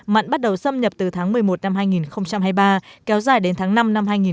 mặn bắt đầu xâm nhập từ tháng một mươi một năm hai nghìn hai mươi ba kéo dài đến tháng năm năm hai nghìn hai mươi